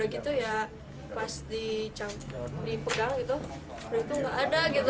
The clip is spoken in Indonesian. gitu ya pas dipegang gitu berarti enggak ada gitu